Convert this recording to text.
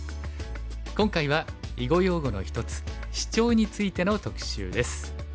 今回は囲碁用語の一つシチョウについての特集です。